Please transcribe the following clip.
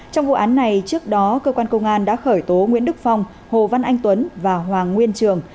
trong vụ án này trước đó cơ quan công an đã khởi tố nguyễn đức phong hồ văn anh tuấn và hoàng nguyên trường